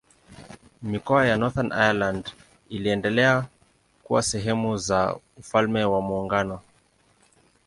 Mikoa ya Northern Ireland iliendelea kuwa sehemu za Ufalme wa Muungano.